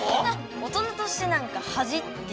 大人として何か恥っていうのが。